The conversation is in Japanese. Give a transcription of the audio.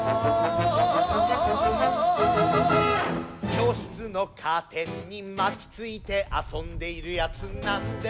「教室のカーテンに巻きついて遊んでいるやつなんでだろう」